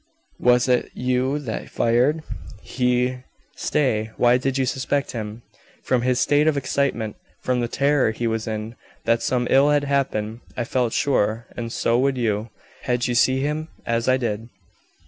'Was it you that fired?' He " "Stay. Why did you suspect him?" "From his state of excitement from the terror he was in that some ill had happened, I felt sure; and so would you, had you seen him as I did.